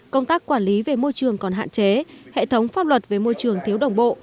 công tác quản lý về môi trường còn hạn chế hệ thống pháp luật về môi trường thiếu đồng bộ